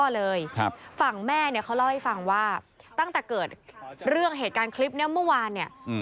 เล่าให้ฟังว่าตั้งแต่เกิดเรื่องเหตุการณ์คลิปนี้เมื่อวานเนี่ย